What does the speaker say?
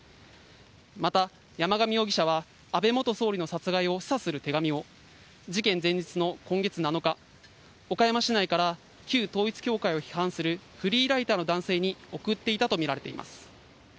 また、山上容疑者は、安倍元総理の殺害を示唆する手紙を事件前日の今月７日、岡山市内から、旧統一教会を批判するフリーライターの男性に送っていたと見られています。